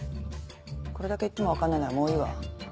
これだけ言っても分かんないならもういいわ。